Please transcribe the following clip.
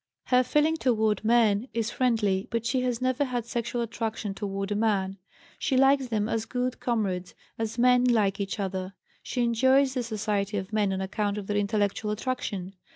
Her feeling toward men is friendly, but she has never had sexual attraction toward a man. She likes them as good comrades, as men like each other. She enjoys the society of men on account of their intellectual attraction.